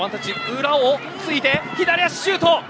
裏をついて左足シュート。